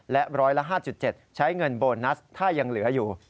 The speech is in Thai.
และร้อยละ๕๗ใช้เงินโบนัสถ้ายังเหลืออยู่